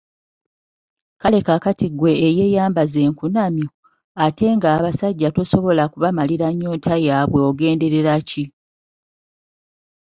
Kale kaakati ggwe eyeeyambaza enkunamyo, ate nga abasajja tosobola kubamalira nnyonta yaabwe ogenderera ki?